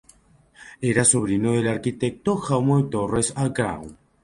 Era sobrino del arquitecto Jaume Torres i Grau.